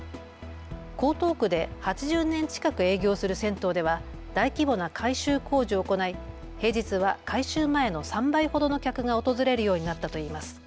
江東区で８０年近く営業する銭湯では大規模な改修工事を行い平日は改修前の３倍ほどの客が訪れるようになったといいます。